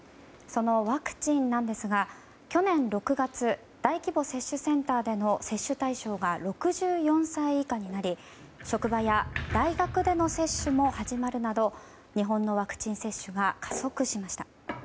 そのワクチンなんですが去年６月大規模接種センターでの接種対象が６４歳以下になり職場や大学での接種も始まるなど日本のワクチン接種が加速しました。